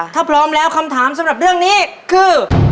ถ้าพร้อมแล้วคำถามสำหรับเรื่องนี้คือ